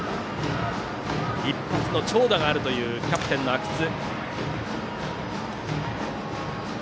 一発の長打があるというキャプテンの阿久津。